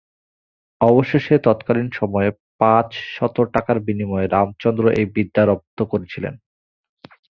অবশেষে তৎকালীন সময়ে পাঁচ শত টাকার বিনিময়ে রামচন্দ্র এই বিদ্যা রপ্ত করেছিলেন।